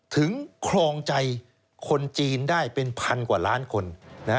ครองใจคนจีนได้เป็นพันกว่าล้านคน